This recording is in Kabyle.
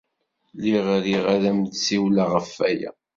Lliɣ riɣ ad am-d-ssiwleɣ ɣef waya.